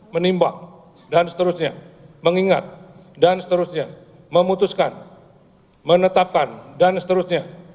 menimbang dan seterusnya mengingat dan seterusnya memutuskan menetapkan dan seterusnya